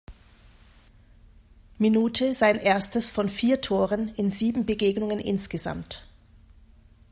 Minute sein erstes von vier Toren in sieben Begegnungen insgesamt.